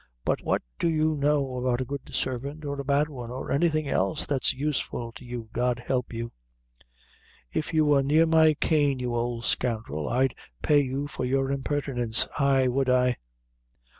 But what do you know about a good sarvint or a bad one, or anything else that's useful to you, God help you." "If you were near my cane, you old scoundrel, I'd pay you for your impertinence, ay would I."